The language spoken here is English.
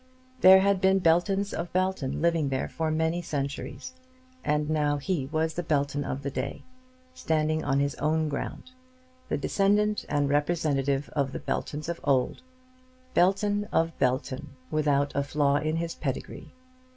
There had been Beltons of Belton living there for many centuries, and now he was the Belton of the day, standing on his own ground, the descendant and representative of the Beltons of old, Belton of Belton without a flaw in his pedigree!